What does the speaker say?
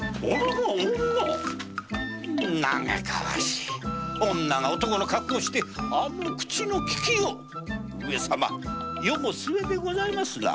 嘆かわしい女が男の格好をしてあの口のききよう上様世も末でございますな。